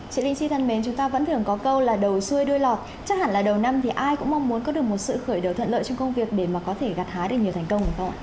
chị linh chi thân mến chúng ta vẫn thường có câu là đầu xuôi đôi lọt chắc hẳn là đầu năm thì ai cũng mong muốn có được một sự khởi đầu thuận lợi trong công việc để mà có thể gạt hái được nhiều thành công đúng không ạ